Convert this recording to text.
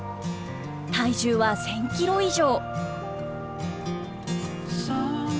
体重は１，０００キロ以上。